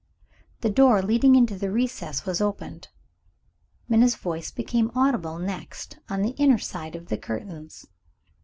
The door leading into the recess was opened. Minna's voice became audible next, on the inner side of the curtains.